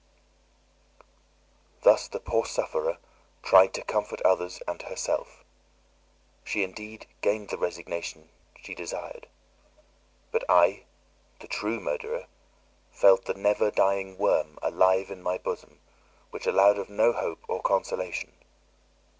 Thus the poor sufferer tried to comfort others and herself. She indeed gained the resignation she desired. But I, the true murderer, felt the never dying worm alive in my bosom, which allowed of no hope or consolation.